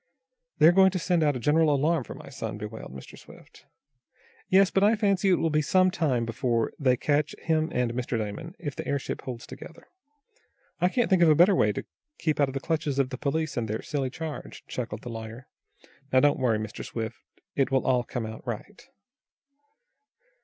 "They are going to send out a general alarm for my son," bewailed Mr. Swift. "Yes, but I fancy it will be some time before they catch him and Mr. Damon, if the airship holds together. I can't think of a better way to keep out of the clutches of the police, and their silly charge," chuckled the lawyer. "Now don't worry, Mr. Swift. It will all come out right."